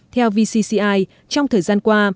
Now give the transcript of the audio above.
theo vcci trong thời gian qua